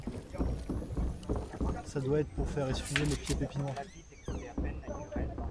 Ca doit être pour faire essuyer les pieds Pépinois.